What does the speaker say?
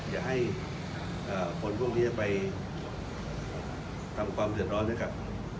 อย่าให้คนพวกนี้ไปทำความเดือดร้อนให้กับ